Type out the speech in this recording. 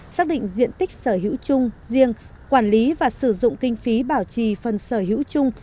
xác định diện tích sở hữu chung riêng quản lý và sử dụng kinh phí bảo trì phần sở hữu chung